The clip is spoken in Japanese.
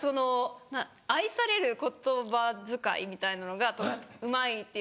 愛される言葉遣いみたいなのがうまいっていうか。